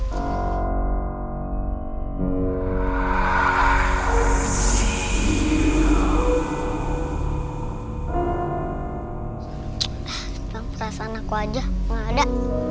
perasaan aku aja gak ada